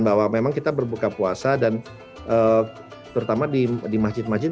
bahwa memang kita berbuka puasa dan terutama di masjid masjid